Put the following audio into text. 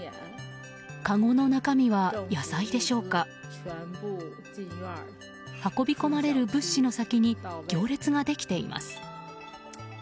かごの中身は野菜でしょうか、運び込まれる物資の先に行列ができています。